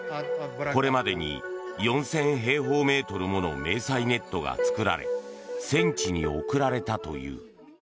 これまでに４０００平方メートルもの迷彩ネットが作られ戦地に送られたという。